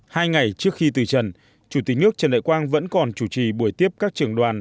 hai ngày trước khi từ trần chủ tịch nước trần đại quang vẫn còn chủ trì buổi tiếp các trưởng đoàn